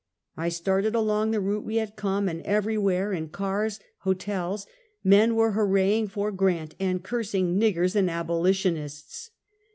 I started along the route we had come, and every where, in cars, hotels, men were hurrahing for Grant and cursing " niggers and abolitionists."